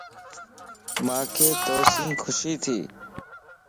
مانک تو سين خوشي ٿي